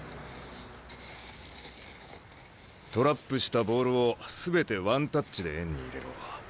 トラップしたボールを全てワンタッチで円に入れろ。